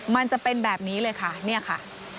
มันจะเป็นแบบนี้เลยค่ะเนี่ยค่ะ